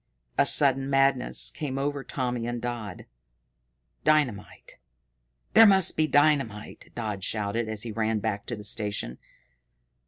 A sudden madness came over Tommy and Dodd. "Dynamite there must be dynamite!" Dodd shouted, as he ran back to the station.